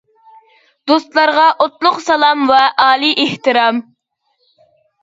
دوستلارغا ئوتلۇق سالام ۋە ئالىي ئېھتىرام!